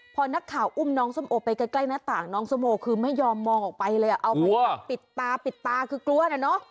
พอนักข่าวอุ้มน้องสมโอไปใกล้หน้าต่างน้องสมโอคือไม่ยอมมองออกไปเลยเอาไปปิดตาคือกลัวนะเนาะ